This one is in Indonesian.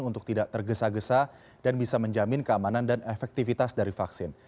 untuk tidak tergesa gesa dan bisa menjamin keamanan dan efektivitas dari vaksin